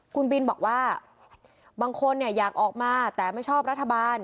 คุณบินบอกว่าบางคนอยากออกมาแต่ไม่ชอบรัฐบาล